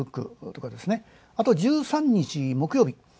あと１３日木曜日。